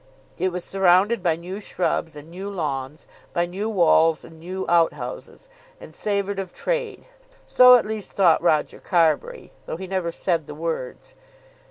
It was surrounded by new shrubs and new lawns, by new walls and new outhouses, and savoured of trade; so at least thought Roger Carbury, though he never said the words.